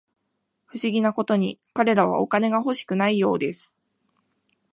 不思議なことに、彼らはお金が欲しくないようです